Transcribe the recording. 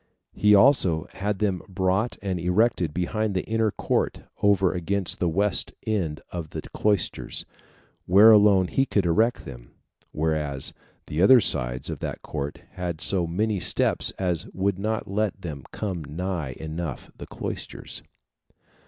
He also had them brought and erected behind the inner court over against the west end of the cloisters, where alone he could erect them; whereas the other sides of that court had so many steps as would not let them come nigh enough the cloisters.